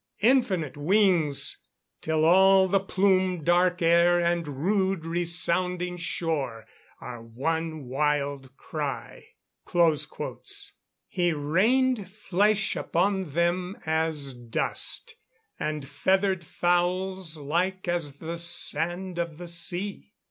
Infinite wings! till all the plume dark air And rude resounding shore are one wild cry." [Verse: "He rained flesh upon them as dust, and feathered fowls like as the sand of the sea."